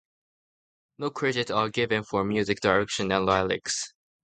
No credits are given for Music Direction and lyrics.